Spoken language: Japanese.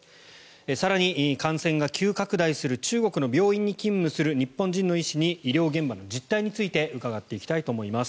更に、感染が急拡大する中国の病院に勤務する日本人の医師に医療現場の実態について伺っていきたいと思います。